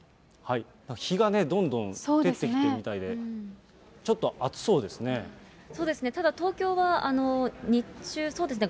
日がね、どんどん照ってきているみたいで、ちょっと暑そうですね。